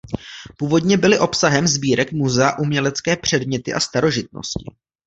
Původně byly obsahem sbírek muzea umělecké předměty a starožitnosti.